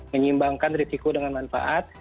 menyimbangkan risiko dengan manfaat